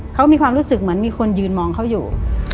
เขามีความรู้สึกเหมือนมีคนยืนมองเขาอยู่